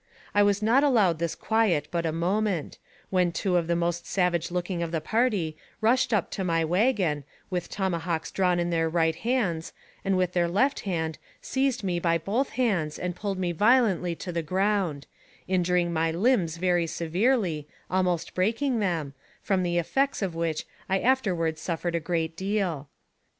I was not allowed this quiet but a moment, when two of the most savage looking of the party rushed up into my wagon, with tomahawks drawn in their right hands, and with their left seized me by both hands and pulled me violently to the ground, injuring my limbs very severely, almost breaking them, from the effects of which I afterward suffered a great deal.